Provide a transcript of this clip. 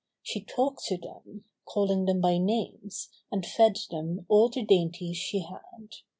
She talked to them, calling them by names, and fed them all the dainties she had.